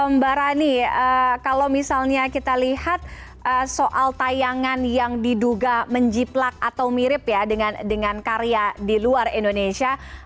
mbak rani kalau misalnya kita lihat soal tayangan yang diduga menjiplak atau mirip ya dengan karya di luar indonesia